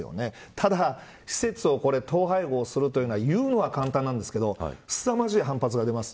ただ施設を統廃合するというのは言うのは簡単なんですけどすさまじい反発が出ます。